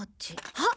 あっ！